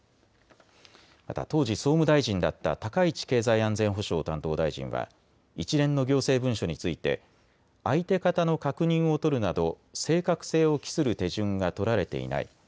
また当時、総務大臣だった高市経済安全保障担当大臣は一連の行政文書について相手方の確認を取るなど正確性を期する手順が取られていない。